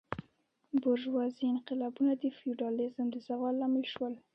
بورژوازي انقلابونه د فیوډالیزم د زوال لامل شول.